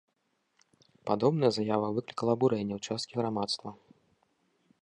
Падобная заява выклікала абурэнне ў часткі грамадства.